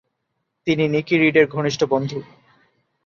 তিনি নিকি রিডের ঘনিষ্ঠ বন্ধু।